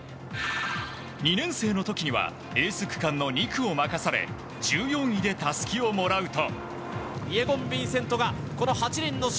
２年生の時にはエース区間の２区を任され１４位でたすきをもらうと。